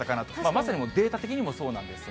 まさにデータ的にもそうなんですが。